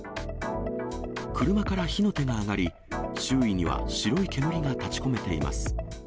車から火の手が上がり、周囲には白い煙が立ちこめています。